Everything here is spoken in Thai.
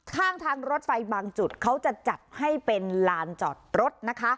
ข้างทางรถไฟบางจุดเขาจะจัดให้เป็นลานจอดรถนะคะ